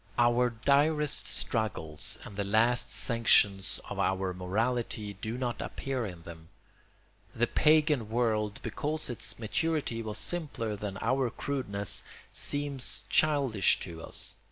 Our direst struggles and the last sanctions of our morality do not appear in them. The pagan world, because its maturity was simpler than our crudeness, seems childish to us.